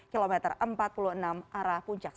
kilometer empat puluh enam arah puncak